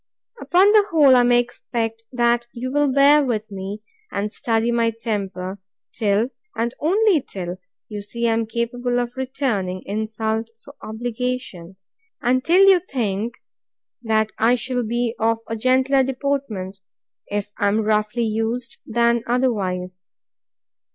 Upon the whole, I may expect, that you will bear with me, and study my temper, till, and only till, you see I am capable of returning insult for obligation; and till you think, that I shall be of a gentler deportment, if I am roughly used, than otherwise.